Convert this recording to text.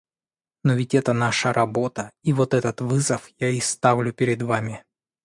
Но ведь это наша работа, и вот этот вызов я и ставлю перед вами.